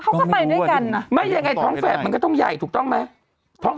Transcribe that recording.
เขาก็ไปด้วยกันนะไม่ยังไงท้องแฝดมันก็ต้องใหญ่ถูกต้องไหมท้อง